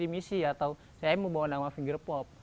misi atau saya mau bawa nama finger pop